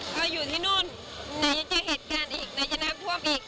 ก็อยู่ที่นู่นไหนยังเจอเหตุการณ์อีกไหนจะน้ำท่วมอีก